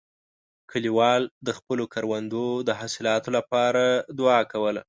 کلیوال د خپلو کروندو د حاصلاتو لپاره دعا کوله.